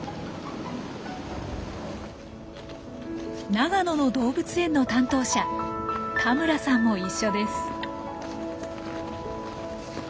長野の動物園の担当者田村さんも一緒です。